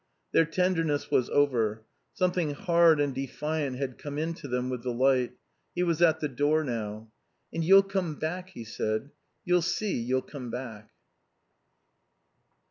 Their tenderness was over. Something hard and defiant had come in to them with the light. He was at the door now. "And you'll come back," he said. "You'll see you'll come back."